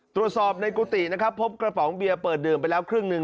ตรวจสอบในกุฏินะครับพบกระป๋องเบียร์เปิดดื่มไปแล้วครึ่งหนึ่ง